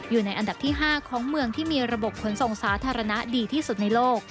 อยู่ในอันดับที่๕ของเมืองที่มีระบบขนส่งสาธารณะดีที่สุดในโลก